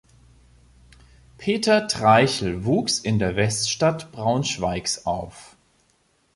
Peter Treichel wuchs in der Weststadt Braunschweigs auf.